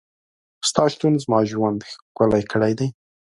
ستا شتون زما ژوند ښکلی کړی دی.